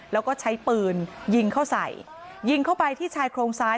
แล้วก็ใช้ปืนยิงเข้าใส่ยิงเข้าไปที่ชายโครงซ้าย